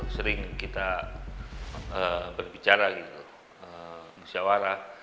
sering kita berbicara musyawarah